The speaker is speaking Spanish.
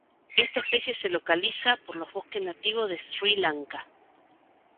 Esta especie se localiza por los bosques nativos de Sri Lanka.